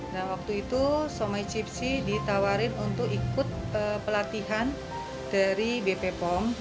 nah waktu itu somai cipsi ditawarin untuk ikut pelatihan dari bpom